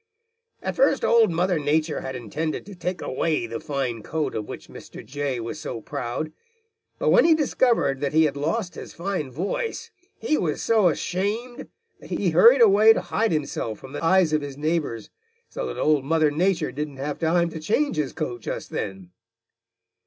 "At first Old Mother Nature had intended to take away the fine coat of which Mr. Jay was so proud, but when he discovered that he had lost his fine voice, he was so ashamed that he hurried away to hide himself from the eyes of his neighbors, so that Old Mother Nature didn't have time to change his coat just then.